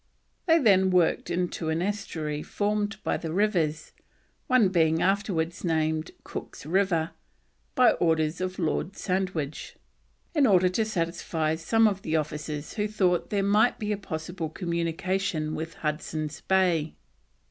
They then worked into an estuary formed by the rivers (one being afterwards named Cook's River, by orders of Lord Sandwich), in order to satisfy some of the officers who thought there might be a possible communication with Hudson's Bay.